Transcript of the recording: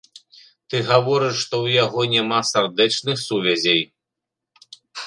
Ты гаворыш, што ў яго няма сардэчных сувязей.